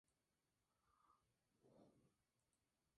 Es un lugar popular para operadores de radio aficionados.